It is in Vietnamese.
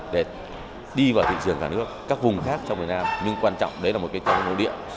để đi vào thị trường cả nước các vùng khác trong việt nam nhưng quan trọng đấy là một cái nội địa